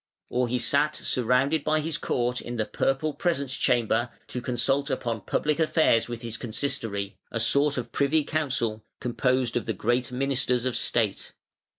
Or he sat surrounded by his court in the purple presence chamber to consult upon public affairs with his Consistory, a sort of Privy Council, composed of the great ministers of state.